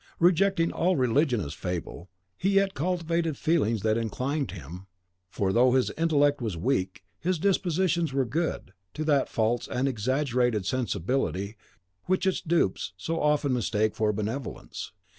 Rejecting all religion as a fable, he yet cultivated feelings that inclined him for though his intellect was weak, his dispositions were good to that false and exaggerated sensibility which its dupes so often mistake for benevolence.